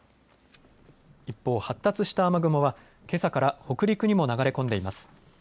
一方、発達した雨雲はけさから北陸にも流れ込んでいます。